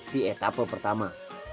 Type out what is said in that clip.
di etapa pertama